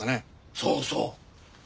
そうそう。